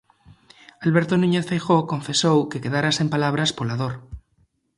Alberto Núñez Feijóo confesou que quedara sen palabras pola dor.